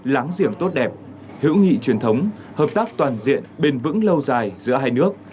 láng giềng tốt đẹp hữu nghị truyền thống hợp tác toàn diện bền vững lâu dài giữa hai nước